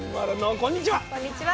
こんにちは。